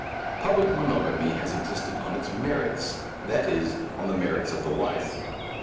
Public monogamy has existed on its merits that is, on the merits of the wife.